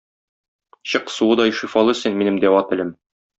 Чык суыдай шифалы син, минем дәва телем.